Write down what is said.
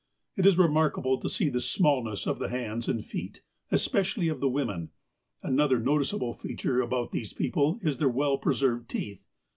It is remarkable to see the smallness of the hands and feet, especially of the women. Ajiother noticeable feature about these people is their well preserved teeth.